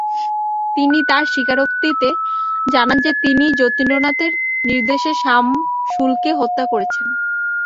তিনি তার স্বীকারোক্তিতে জানান যে তিনিই যতীন্দ্রনাথের নির্দেশে সামশুলকে হত্যা করেছেন।